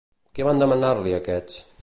Què van demanar-li aquests?